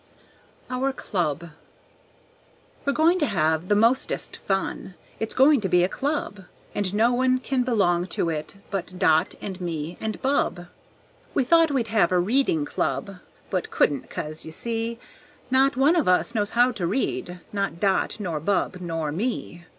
Our Club We're going to have the mostest fun! It's going to be a club; And no one can belong to it But Dot and me and Bub. We thought we'd have a Reading Club, But couldn't 'cause, you see, Not one of us knows how to read Not Dot nor Bub nor me.